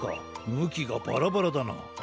むきがバラバラだな。